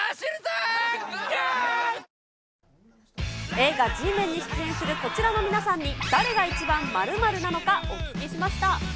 映画、Ｇメンに出演するこちらの皆さんに、誰が一番○○なのか、お聞きしました。